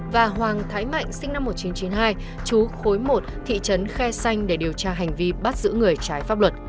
và hoàng thái mạnh sinh năm một nghìn chín trăm chín mươi hai chú khối một thị trấn khe xanh để điều tra hành vi bắt giữ người trái pháp luật